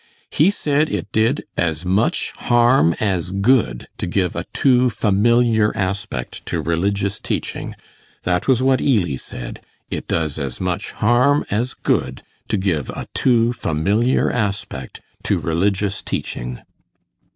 He said it did as much harm as good to give a too familiar aspect to religious teaching. That was what Ely said it does as much harm as good to give a too familiar aspect to religious teaching.